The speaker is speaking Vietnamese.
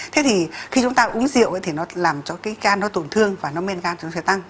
thế thì khi chúng ta uống rượu ấy thì nó làm cho cái gan nó tổn thương và nó men gan chúng ta sẽ tăng